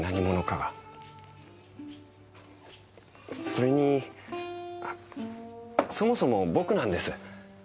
それにそもそも僕なんです。